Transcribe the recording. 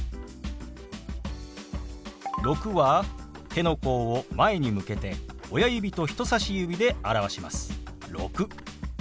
「６」は手の甲を前に向けて親指と人さし指で表します。